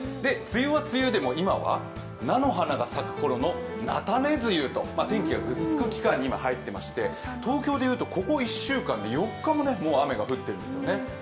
梅雨は梅雨でも今は菜の花が咲くころの菜種梅雨と、天気がぐずつく期間に入ってまして東京でいうと、ここ１週間で４日も雨が降ってるんですよね。